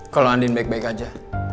kalau andin baik baik aja